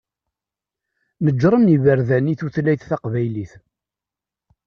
Neǧṛen iberdan i tutlayt taqbaylit.